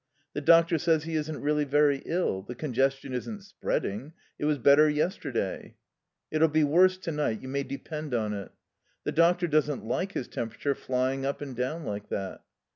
"The doctor says he isn't really very ill. The congestion isn't spreading. It was better yesterday." "It'll be worse to night, you may depend on it. The doctor doesn't like his temperature flying up and down like that."